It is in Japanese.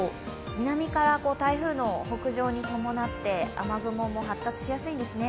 南から台風の北上に伴って雨雲も発達しやすいんですね。